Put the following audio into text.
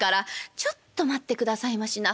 「ちょっと待ってくださいましな。